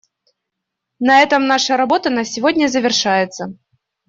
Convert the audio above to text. На этом наша работа на сегодня завершается.